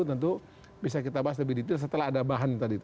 tentu bisa kita bahas lebih detail setelah ada bahan tadi